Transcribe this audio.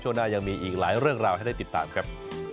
หน้ายังมีอีกหลายเรื่องราวให้ได้ติดตามครับ